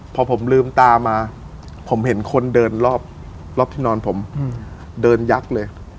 พอผมลืมตามาผมเห็นคนเดินรอบที่นอนผมเดินยักษ์เลย